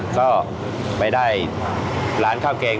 ก็ไปได้ร้านข้าวแกง